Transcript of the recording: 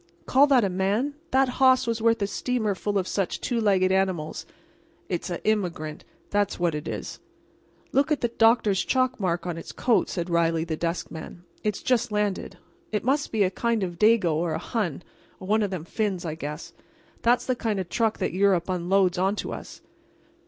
Call that a man!—that hoss was worth a steamer full of such two legged animals. It's a immigrant—that's what it is." "Look at the doctor's chalk mark on its coat," said Reilly, the desk man. "It's just landed. It must be a kind of a Dago or a Hun or one of them Finns, I guess. That's the kind of truck that Europe unloads onto us."